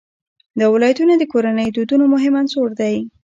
دا ولایتونه د کورنیو د دودونو مهم عنصر دی.